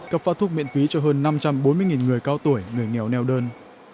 cấp phát thuốc miễn phí cho hơn năm trăm bốn mươi người cao tuổi người nghèo neo đơn